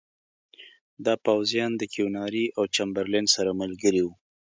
دا پوځیان د کیوناري او چمبرلین سره ملګري وو.